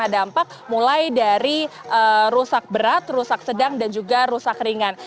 dampak mulai dari rusak berat rusak sedang dan juga rusak ringan